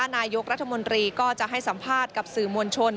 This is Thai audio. นายกรัฐมนตรีก็จะให้สัมภาษณ์กับสื่อมวลชน